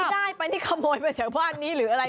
ได้ไปนี่ขโมยไปแถวบ้านนี้หรืออะไร